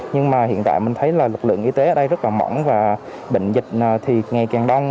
nhưng mà hiện tại mình thấy là lực lượng y tế ở đây rất là mỏng và bệnh dịch thì ngày càng đông